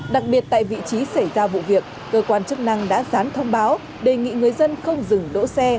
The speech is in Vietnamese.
đặc biệt tại vị trí xảy ra vụ việc cơ quan chức năng đã gián thông báo đề nghị người dân không dừng đỗ xe